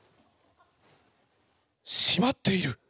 閉まっている！